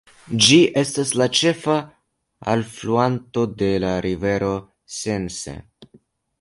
Ĝi estas la ĉefa alfluanto de la rivero Sense.